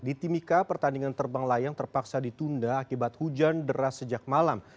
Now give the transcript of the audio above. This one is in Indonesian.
di timika pertandingan terbang layang terpaksa ditunda akibat hujan deras sejak malam